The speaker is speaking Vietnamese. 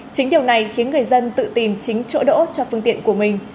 chính điều này khiến người dân tự tìm chính chỗ đỗ cho phương tiện của mình